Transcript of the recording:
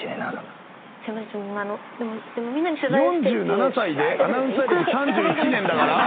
４７歳でアナウンサー歴３１年だから。